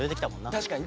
確かに。